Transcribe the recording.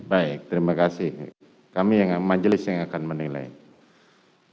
baik terima kasih kami yang majelis yang akan menjawab